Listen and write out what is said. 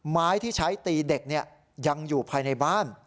ไม้ที่ใช้ตีเด็กยังอยู่ภายในบ้าน